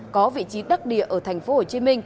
có vị trí đắc địa ở tp hcm